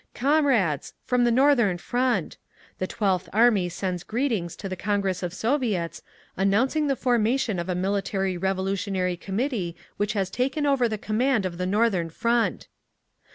"Comrades! From the Northern Front. The Twelfth Army sends greetings to the Congress of Soviets, announcing the formation of a Military Revolutionary Committee which has taken over the command of the Northern Front!"